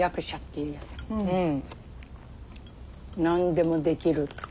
何でもできる。